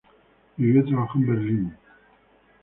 Vivió y trabajó en Berlín.